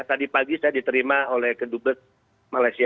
tadi pagi saya diterima oleh kedubes malaysia